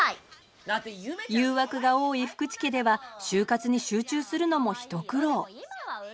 誘惑が多い福池家では就活に集中するのも一苦労。